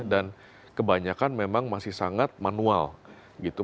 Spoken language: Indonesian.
dan kebanyakan memang masih sangat manual gitu